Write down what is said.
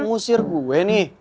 n agusir gue nih